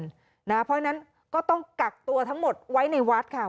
เพราะฉะนั้นก็ต้องกักตัวทั้งหมดไว้ในวัดค่ะ